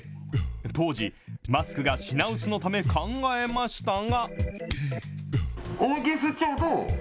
当時、マスクが品薄のため、考えましたが。